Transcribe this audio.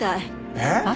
えっ？